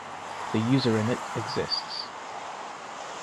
Then Userinit exits.